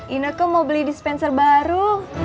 inek ke mau beli dispenser baru